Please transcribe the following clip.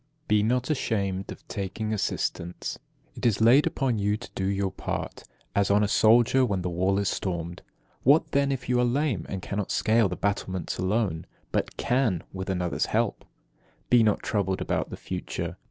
7. Be not ashamed of taking assistance. It is laid upon you to do your part, as on a soldier when the wall is stormed. What, then, if you are lame, and cannot scale the battlements alone, but can with another's help? 8. Be not troubled about the future.